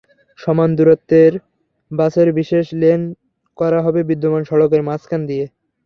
সমান দূরত্বের বাসের বিশেষ লেন করা হবে বিদ্যমান সড়কের মাঝখান দিয়ে।